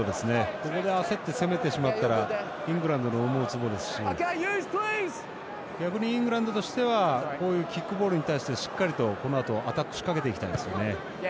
ここで焦って攻めてしまったらイングランドの思うつぼですし逆にイングランドとしてはキックボールに対してしっかりと、このあとアタックを仕掛けていきたいですね。